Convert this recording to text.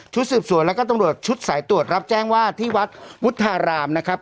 สืบสวนแล้วก็ตำรวจชุดสายตรวจรับแจ้งว่าที่วัดวุฒารามนะครับ